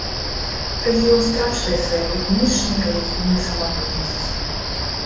Рэгіён страчвае сваю этнічную і рэлігійную самабытнасць.